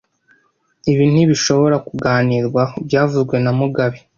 Ibi ntibishobora kuganirwaho byavuzwe na mugabe